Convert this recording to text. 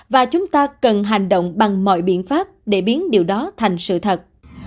và chúng ta cần hành động bằng mọi biện pháp để biến điều đó thành sự thật